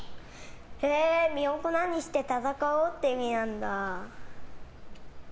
へえ、身を粉にして戦おうという意味なんだ。